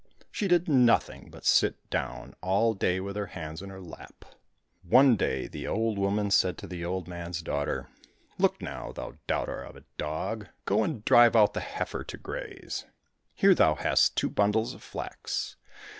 She did nothing but sit down all day with her hands in her lap. One day the old woman said to the old man's daughter, " Look now, thou daughter of a dog, go and drive out the heifer to graze ! Here thou hast two bundles of flax.